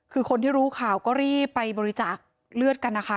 คือคนที่รู้ข่าวก็รีบไปบริจาคเลือดกันนะคะ